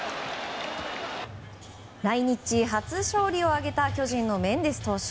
来日初勝利を挙げた巨人のメンデス投手。